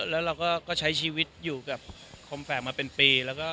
แล้วเราก็ใช้ชีวิตอยู่กับคมแฝกมาเป็นปีแล้วก็